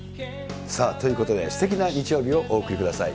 さあ、ということで、すてきな日曜日をお送りください。